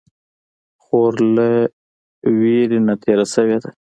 خور له ویرې نه تېره شوې ده.